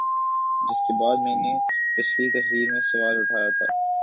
جس کے بعد میں نے پچھلی تحریر میں سوال اٹھایا تھا